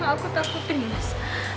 aku takutin mas